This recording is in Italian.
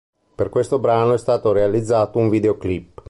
Per questo brano è stato realizzato un videoclip.